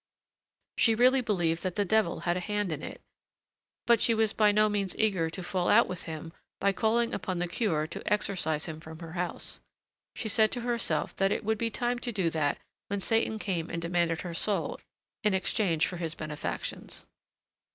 She really believed that the devil had a hand in it, but she was by no means eager to fall out with him by calling upon the curé to exorcise him from her house; she said to herself that it would be time to do that when Satan came and demanded her soul in exchange for his benefactions.